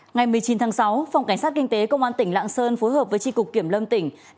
ngày một mươi chín tháng sáu phòng cảnh sát kinh tế công an tỉnh lạng sơn phối hợp với tri cục kiểm lâm tỉnh